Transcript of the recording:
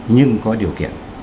nhưng có điều kiện